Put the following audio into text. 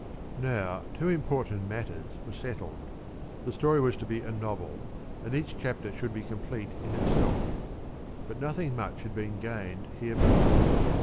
Now two important matters were settled: The story was to be a novel, and each chapter should be complete in itself. But nothing much had been gained hereby.